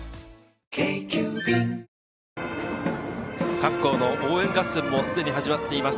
各校の応援合戦もすでに始まっています。